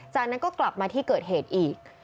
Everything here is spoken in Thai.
จากนั้นก็กลับมาที่เกิดเหตุอีก